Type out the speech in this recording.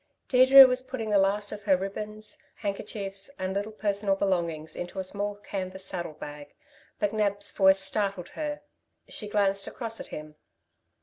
Deirdre was putting the last of her ribbands, handkerchiefs and little personal belongings into a small canvas saddle bag. McNab's voice startled her. She glanced across at him.